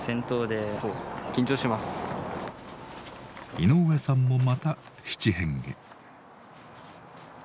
井上さんもまた七変化。